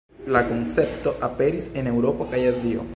La koncepto aperis en Eŭropo kaj Azio.